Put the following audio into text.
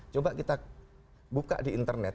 coba kita buka di internet